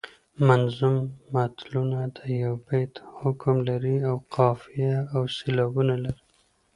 منظوم متلونه د یوه بیت حکم لري او قافیه او سیلابونه لري